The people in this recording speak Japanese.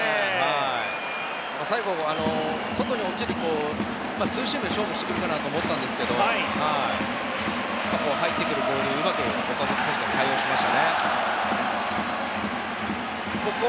最後、ツーシームで勝負してくるかなと思ったんですが入ってくるボールを、うまく岡本選手が対応しましたね。